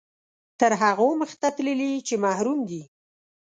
تر هغو مخته تللي چې محروم دي.